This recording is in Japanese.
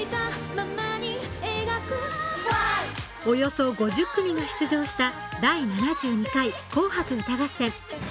およそ５０組が出場した第７２回「紅白歌合戦」。